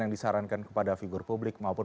yang disarankan kepada figur publik maupun